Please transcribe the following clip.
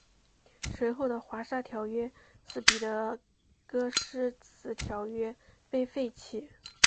随后的华沙条约使彼得戈施迟条约被废弃。